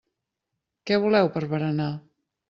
Què voleu per berenar?